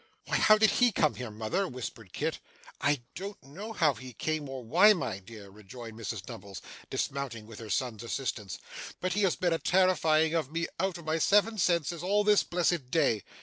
'Why, how did he come here, mother?' whispered Kit. 'I don't know how he came or why, my dear,' rejoined Mrs Nubbles, dismounting with her son's assistance, 'but he has been a terrifying of me out of my seven senses all this blessed day.